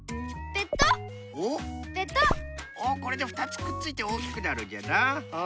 おこれでふたつくっついておおきくなるんじゃな。